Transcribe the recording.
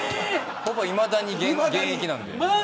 いまだに現役なんで。